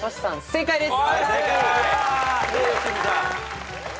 正解です。